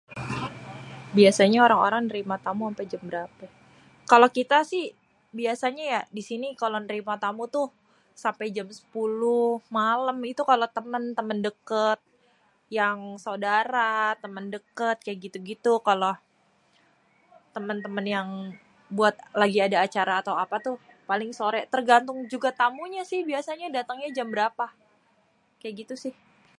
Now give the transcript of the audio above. kalo kita si biasanyé kalo nérima tamu tuh sampé jam 10 malém itu kalo témén dékét yang sodara témén dékét kaya gitu-gitu témén-témén yang buat ada acara paling soré térgantung tamunyé juga datangnyé jam bérapa kaya gitusih